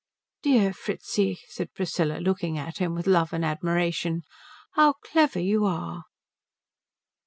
"Dear Fritzi," said Priscilla looking at him with love and admiration, "how clever you are."